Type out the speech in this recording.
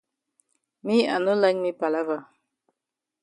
Me I no like me palava.